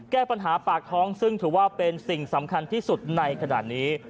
แก้ปัญหาปากท้องซึ่งถือว่าเป็นสิ่งสำคัญที่สุดในขณะนี้